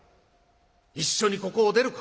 一緒にここを出るか」。